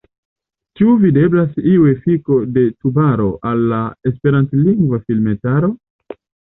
Ĉu videblas iu efiko de Tubaro al la esperantlingva filmetaro?